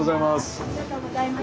ありがとうございます。